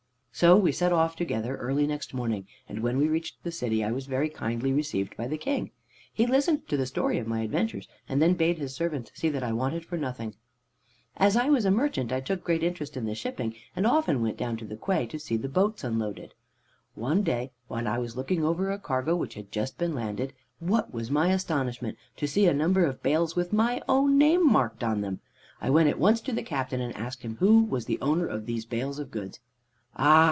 "So we set off together early next morning, and when we reached the city I was very kindly received by the King. He listened to the story of my adventures, and then bade his servants see that I wanted for nothing. "As I was a merchant I took great interest in the shipping, and often went down to the quay to see the boats unload. One day when I was looking over a cargo which had just been landed, what was my astonishment to see a number of bales with my own name marked on them. I went at once to the captain and asked him who was the owner of these bales of goods. "'Ah!'